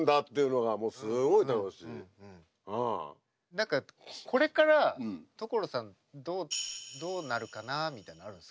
何かこれから所さんどうどうなるかなみたいなのあるんですか？